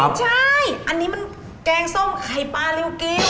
ใช่อันนี้มันแกงส้มไข่ปลาริวกิน